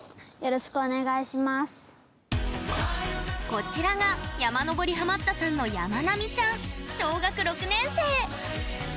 こちらが山登りハマったさんのやまなみちゃん、小学６年生。